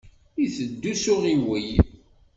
Iteddu s uɣiwel.